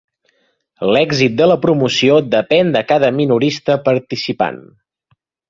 L'èxit de la promoció depèn de cada minorista participant.